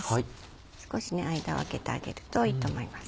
少し間を空けてあげるといいと思います。